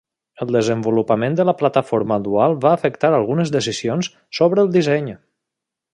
El desenvolupament de la plataforma dual va afectar algunes decisions sobre el disseny.